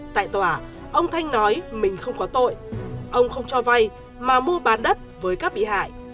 tại tòa ông thanh nói mình không có tội ông không cho vay mà mua bán đất với các bị hại